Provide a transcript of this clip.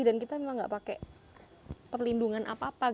dan kita tidak pakai perlindungan apa apa